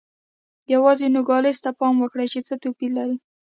یوازې نوګالس ته پام وکړئ چې څه توپیر لري.